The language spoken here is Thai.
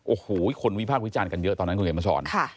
โอ้โหคนวิพากษ์วิจารณ์กันเยอะตอนนั้นคุณเขียนมาสอน